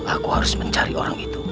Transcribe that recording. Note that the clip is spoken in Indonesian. aku harus mencari orang itu